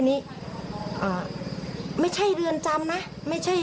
ขอบคุณครับ